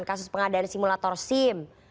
kasus pengadaan simulator sim